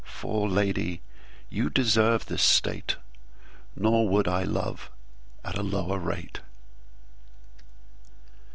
For Lady you deserve this State; Nor would I love at lower rate.